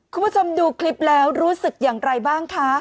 คุณผู้ชมดูคลิปแล้วรู้สึกอย่างไรบ้างคะ